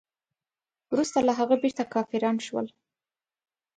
وروسته له هغه بیرته کافران شول.